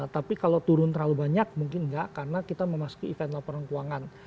tapi kalau turun terlalu banyak mungkin enggak karena kita memasuki event laporan keuangan